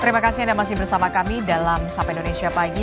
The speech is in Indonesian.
terima kasih anda masih bersama kami dalam sapa indonesia pagi